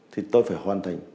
thì tôi phải hoàn thành